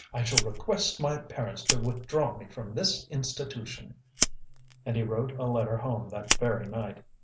I shall request my parents to withdraw me from the institution." And he wrote a letter home that very night.